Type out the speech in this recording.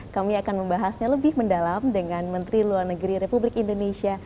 kami akan membahasnya lebih mendalam dengan menteri luar negeri republik indonesia